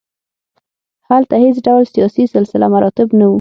هلته هېڅ ډول سیاسي سلسله مراتب نه وو.